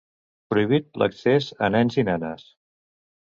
Prohibit l'accés a nens i nenes.